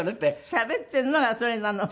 しゃべってるのがそれなの？